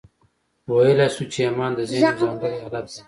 ویلای شو چې ایمان د ذهن یو ځانګړی حالت دی